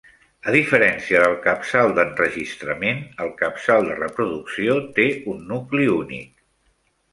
A diferència del capçal d'enregistrament, el capçal de reproducció té un nucli únic.